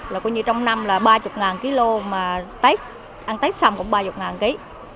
là coi như trong năm là ba mươi kg mà tết ăn tết xong cũng ba mươi kg